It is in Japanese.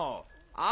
あ？